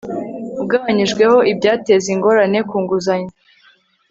ugabanyijweho ibyateza ingorane ku nguzanyo